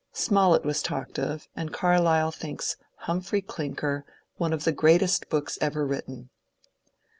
Smollett was talked of, and Carlyle thinks ^^ Humphrev Clinker " one of the greatest books ever written.